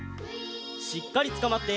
しっかりつかまって。